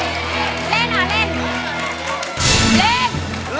เล่นหรอเล่น